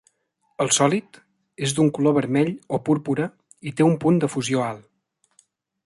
El sòlid és d'un color vermell o púrpura i té un punt de fusió alt.